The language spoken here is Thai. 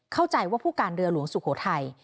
เข้าใจว่าผู้การเรือหลวงสุโขทัย